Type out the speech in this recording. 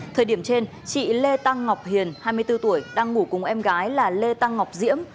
thời điểm trên chị lê tăng ngọc hiền hai mươi bốn tuổi đang ngủ cùng em gái là lê tăng ngọc diễm